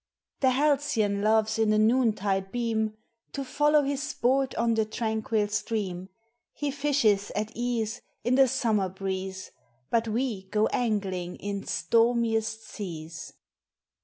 The halcyon loves in the noontide beam To follow his sport on the tranquil stream: He fishes at ease In the summer breeze, But we go angling in stormiest seas.